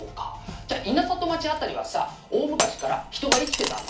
「じゃあ稲里町辺りはさ大昔から人が生きてたの？」